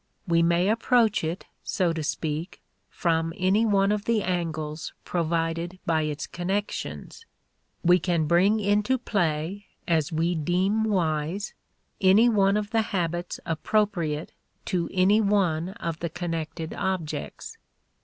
We may approach it, so to speak, from any one of the angles provided by its connections. We can bring into play, as we deem wise, any one of the habits appropriate to any one of the connected objects.